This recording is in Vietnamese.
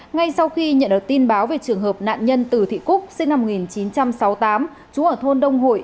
ngay sau khi nhận được tin báo về trường hợp nạn nhân từ thị cúc sinh năm một nghìn chín trăm sáu mươi tám trú ở thôn đông hội